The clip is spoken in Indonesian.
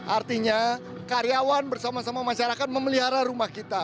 artinya karyawan bersama sama masyarakat memelihara rumah kita